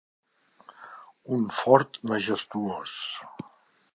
Un fort majestuós.